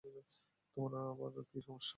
তোমার আবার কি সমস্যা?